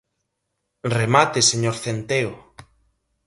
Remate, señor Centeo.